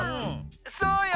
そうよ。